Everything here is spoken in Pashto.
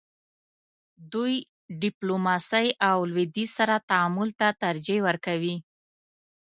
دوی ډیپلوماسۍ او لویدیځ سره تعامل ته ترجیح ورکوي.